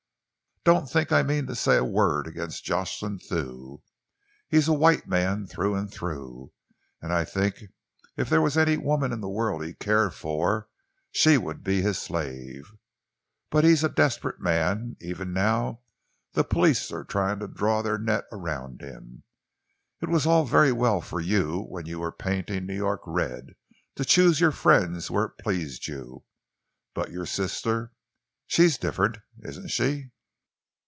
"Don't think I mean to say a word against Jocelyn Thew. He's a white man through and through, and I think if there was any woman in the world he cared for, she would be his slave. But he's a desperate man. Even now the police are trying to draw their net around him. It was all very well for you, when you were painting New York red, to choose your friends where it pleased you, but your sister she's different, isn't she?